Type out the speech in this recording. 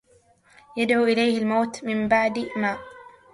يَدعو إليه الموتَ مِن بَعدِ مَا